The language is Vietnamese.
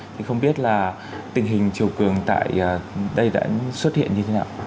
thì không biết là tình hình chiều cường tại đây đã xuất hiện như thế nào